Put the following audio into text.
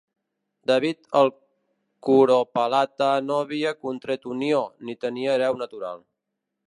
David el Curopalata no havia contret unió, ni tenia hereu natural.